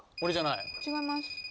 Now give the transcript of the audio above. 違います。